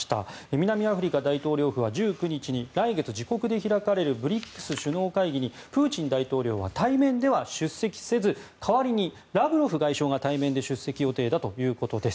南アフリカ大統領府は１９日に来月、自国で開かれるＢＲＩＣＳ首脳会議にプーチン大統領は対面では出席せず代わりにラブロフ外相が対面で出席予定だということです。